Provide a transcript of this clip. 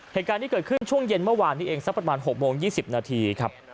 เหตุการณ์ที่เกิดขึ้นช่วงเย็นเมื่อวานนี้เองสักประมาณ๖โมง๒๐นาทีครับ